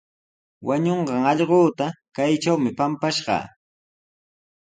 Wañunqan allquuta kaytrawmi pampashqaa.